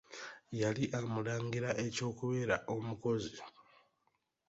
Yali amulangira eky'okubeera omukozi.